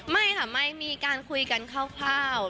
ไม่ค่ะไม่มีการคุยกันคร่าว